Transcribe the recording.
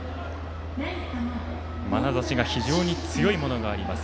まなざしが非常に強いものがあります。